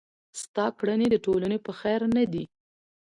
ستا کړني د ټولني په خير نه دي.